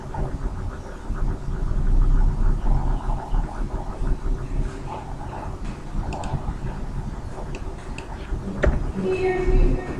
Fichó por el Athletic Club cuando era juvenil.